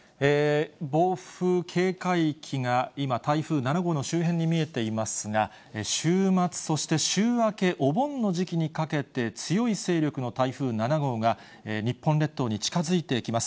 暴風警戒域が今、台風７号の周辺に見えていますが、週末、そして週明け、お盆の時期にかけて強い勢力の台風７号が、日本列島に近づいてきます。